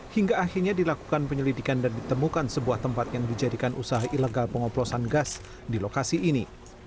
hingga akhirnya dilakukan penyelidikan dan ditemukan sebuah tempat yang dijadikan usaha ilegal pengoplosan gas di lokasi ini